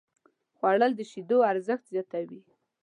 خوړل د شیدو ارزښت زیاتوي